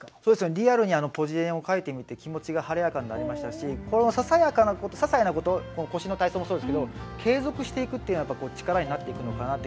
リアルにぽじれんを書いてみて気持ちが晴れやかになりましたしささやかなこと些細なことこの腰の体操もそうですけど継続していくっていうのが力になっていくのかなって。